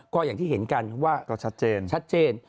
ก็อย่างที่เห็นกันว่าชัดเจน